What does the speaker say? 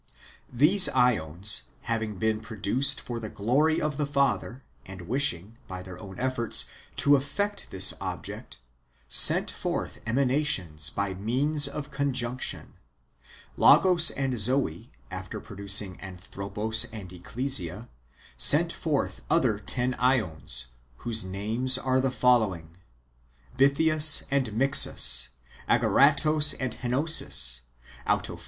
These ^ons having been produced for the glory of the Father, and wishing, by their own efforts, to effect this object, sent forth emanations by means of conjunction. Logos and Zoe, after producing Anthropos and Ecclesia, sent forth other ten ^ons, whose names are the following: Bythlus and ^lixls, Ageratos and Henosis, Autophyes and Hedone, Aclnetos and Syncrasis, Monogenes and Macaria.